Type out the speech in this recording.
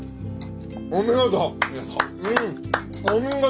お見事！